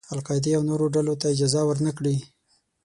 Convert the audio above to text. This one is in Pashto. القاعدې او نورو ډلو ته اجازه ور نه کړي.